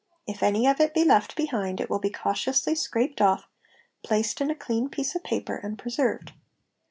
If any of it be left behind it will be cautiously scraped off, placed in a clean piece of paper, and preserved.